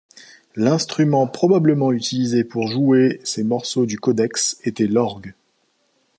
L'instrument probablement utilisé pour jouer ces morceaux du codex était l'orgue.